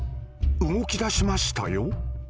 動きだしましたよ。